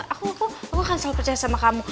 aku akan selalu percaya sama kamu